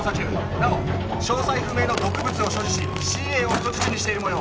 なお詳細不明の毒物を所持しＣＡを人質にしている模様。